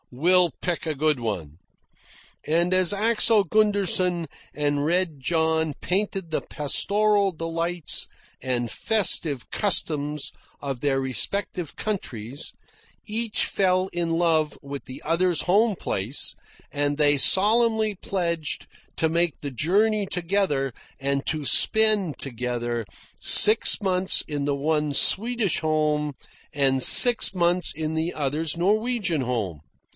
We'll pick a good one." And as Axel Gunderson and Red John painted the pastoral delights and festive customs of their respective countries, each fell in love with the other's home place, and they solemnly pledged to make the journey together, and to spend, together, six months in the one's Swedish home and six months in the other's Norwegian home.